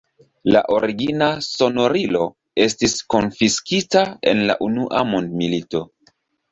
La origina sonorilo estis konfiskita en la unua mondmilito.